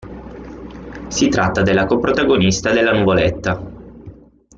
Si tratta della co-protagonista della nuvoletta.